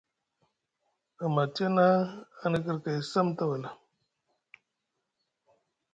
Amma tiyana ani kirkay sam tawala.